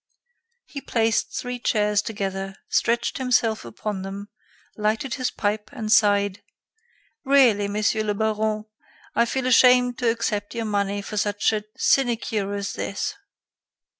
He placed three chairs together, stretched himself upon them, lighted his pipe and sighed: "Really, Monsieur le Baron, I feel ashamed to accept your money for such a sinecure as this.